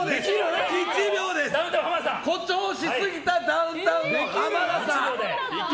誇張しすぎたダウンタウン浜田さん。